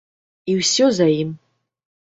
І ўсе за ім.